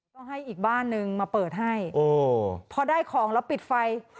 ก็ให้อีกบ้านนึงมาเปิดให้พอได้ของแล้วปิดไฟ